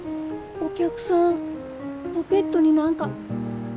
お客さんポケットに何か。